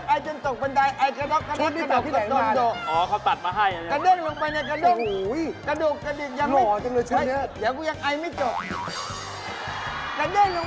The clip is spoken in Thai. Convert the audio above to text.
ไอหืดไอหอบไอห้างไอจนรากดาง